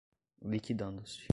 liquidando-se